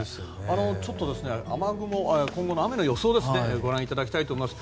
ちょっと雨雲今後の雨の予想をご覧いただきたいと思います。